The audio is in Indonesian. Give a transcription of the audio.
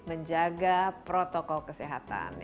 menjaga protokol kesehatan